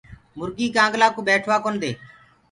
مُرگي ڪآنگلآ ڪوُ بيٽو ڪونآ دي۔